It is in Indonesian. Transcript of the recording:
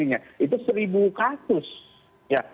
itu seribu kasus ya